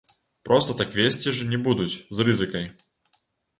Проста так везці ж не будуць з рызыкай.